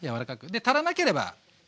で足らなければね